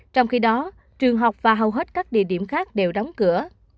trong khi đó trường học và hầu hết các địa điểm khác đều đóng cửa